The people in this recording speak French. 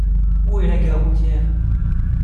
Où est la gare routière ?